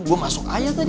gue masuk aja tadi